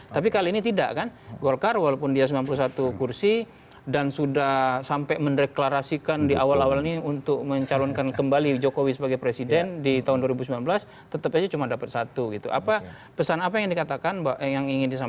tapi kali ini tidak kan golkar walaupun dia sembilan puluh satu kursi dan sudah sampai mendeklarasikan di awal awal ini untuk mencari kursi yang lebih besar